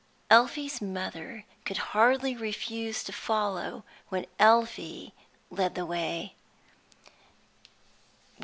Elfie's mother could hardly refuse to follow when Elfie led the way.